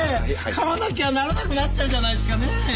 買わなきゃならなくなっちゃうじゃないですかねえ！